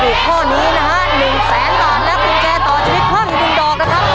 ถ้าถูกข้อนี้นะฮะหนึ่งแสนหลานแล้วคุณแจต่อชีวิตพร่อมอยู่ดุลดอกนะครับ